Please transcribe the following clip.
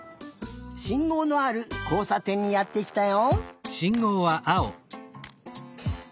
しんごうのあるこうさてんにやってきたよ。